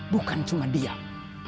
bukan cuma diam